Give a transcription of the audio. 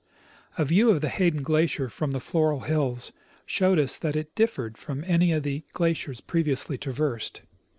A view of the Hayden glacier from the Floral hills showed us that it differed from any of the glaciers previously traversed.